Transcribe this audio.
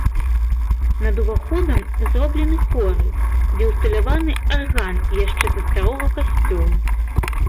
Над уваходам зроблены хоры, дзе ўсталяваны арган яшчэ са старога касцёла.